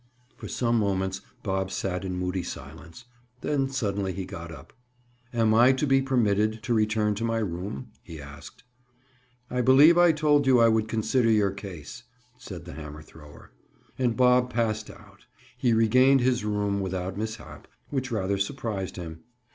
For some moments Bob sat in moody silence. Then suddenly he got up. "Am I to be permitted to return to my room?" he asked. "I believe I told you I would consider your case," said the hammer thrower. And Bob passed out. He regained his room without mishap, which rather surprised him.